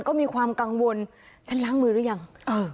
ก็มีความกังวลฉันล้างมือหรือยัง